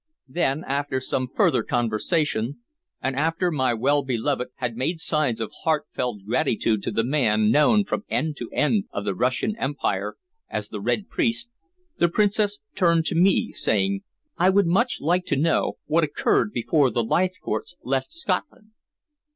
Then, after some further conversation, and after my well beloved had made signs of heartfelt gratitude to the man known from end to end of the Russian empire as "The Red Priest," the Princess turned to me, saying: "I would much like to know what occurred before the Leithcourts left Scotland."